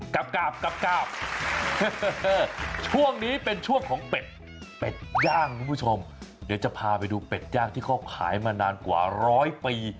กราบกราบช่วงนี้เป็นช่วงของเป็ดเป็ดย่างคุณผู้ชมเดี๋ยวจะพาไปดูเป็ดย่างที่เขาขายมานานกว่าร้อยปี